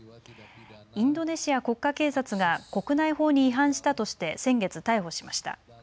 インドネシア国家警察が国内法に違反したとして先月逮捕しました。